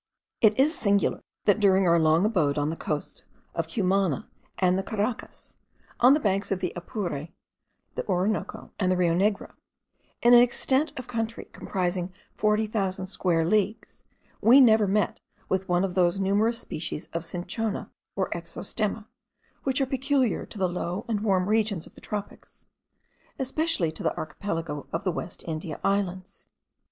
It is singular that, during our long abode on the coast of Cumana and the Caracas, on the banks of the Apure, the Orinoco, and the Rio Negro, in an extent of country comprising forty thousand square leagues, we never met with one of those numerous species of cinchona, or exostema, which are peculiar to the low and warm regions of the tropics, especially to the archipelago of the West India Islands.